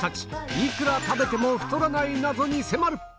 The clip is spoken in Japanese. いくら食べても太らない謎に迫る！